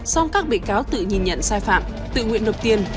song các bị cáo tự nhìn nhận sai phạm tự nguyện nộp tiền